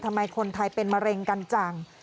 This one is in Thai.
ทำไมคนไทยเป็นมะเร็งกันจัง